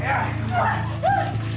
kalau tidak ini hukumannya